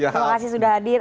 terima kasih sudah hadir